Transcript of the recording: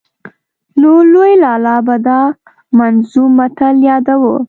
نو لوی لالا به دا منظوم متل ياداوه.